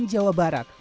dan jawa barat